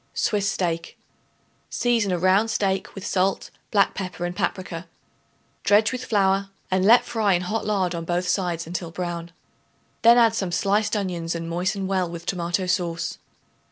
Swiss Steak. Season a round steak with salt, black pepper and paprica; dredge with flour and let fry in hot lard on both sides until brown. Then add some sliced onions and moisten well with tomato sauce.